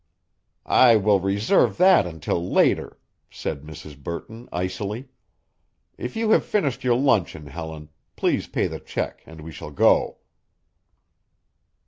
"I will reserve that until later," said Mrs. Burton, icily. "If you have finished your luncheon, Helen, please pay the check and we shall go."